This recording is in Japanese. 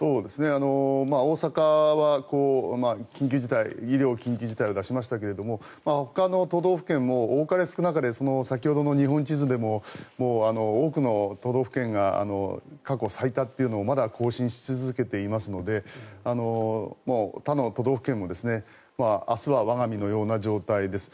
大阪は医療緊急事態を出しましたけれどほかの都道府県も多かれ少なかれ先ほどの日本地図でも多くの都道府県が過去最多というのをまだ更新し続けていますので他の都道府県も明日は我が身のような状態です。